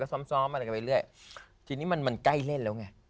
ซ้อมซ้อมอะไรกันไปเรื่อยทีนี้มันมันใกล้เล่นแล้วไง